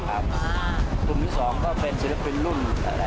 กลุ่มที่๒ก็เป็นศิลปินรุ่น